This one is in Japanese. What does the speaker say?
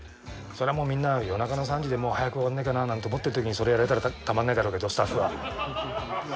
それはもうみんな夜中の３時で早く終わんねえかななんて思ってるときにそれやられたらたまんないだろうけどスタッフは。